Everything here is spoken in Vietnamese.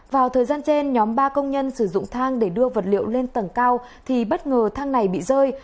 vào thời gian trên nhóm ba công nhân sử dụng thang để đưa vật liệu lên tầng cao thì bất ngờ thang này bị rơi